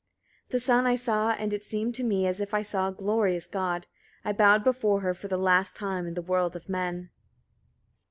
41. The sun I saw, and it seemed to me as if I saw a glorious god: I bowed before her, for the last time, in the world of men.